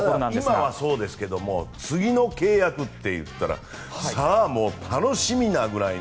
今はそうですが次の契約っていったらさあ、もう楽しみなぐらいの。